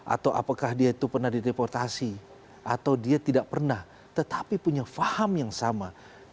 atau apakah dia itu pernah dideportasi atau dia tidak pernah tetapi punya faham yang sama